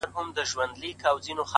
• چي پر هرقدم د خدای شکر کومه ,